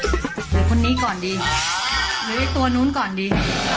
คนนี้ก่อนดีหรือตัวนู้นก่อนดี